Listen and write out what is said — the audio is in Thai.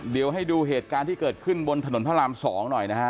เดี๋ยวให้ดูเหตุการณ์ที่เกิดขึ้นบนถนนพระราม๒หน่อยนะฮะ